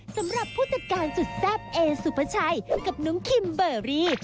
สำหรับผู้จัดการสุดแซ่บเอสุภาชัยกับน้องคิมเบอร์รี่